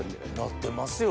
なってますよ